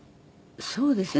そうですね。